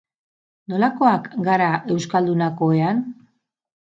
Nolakoak gara euskaldunak ohean?